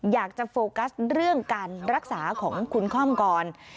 อยากจะโฟกัสเรื่องการรักษาของคุณค่อมก่อน